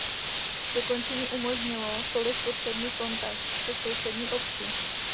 Dokončení umožnilo tolik potřebný kontakt se sousední obcí.